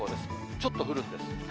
ちょっと降るんです。